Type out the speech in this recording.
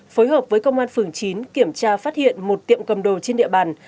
phối hợp với công an phường chín kiểm tra phát hiện một tiệm cầm đồ trên địa bàn